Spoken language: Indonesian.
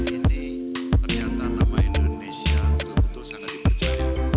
ini ternyata nama indonesia betul betul sangat dipercaya